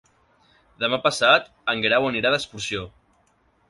Demà passat en Guerau anirà d'excursió.